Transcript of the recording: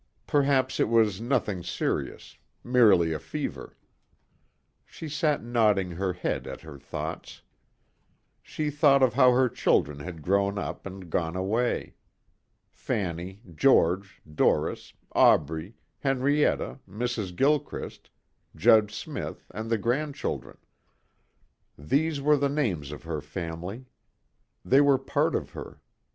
Perhaps it was nothing serious. Merely a fever. She sat nodding her head at her thoughts. She thought of how her children had grown up and gone away. Fanny, George, Doris, Aubrey, Henrietta, Mrs. Gilchrist, Judge Smith and the grandchildren. These were the names of her family. They were part of her.